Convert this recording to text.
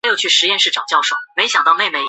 合约规定拜占庭每年向保加利亚进贡。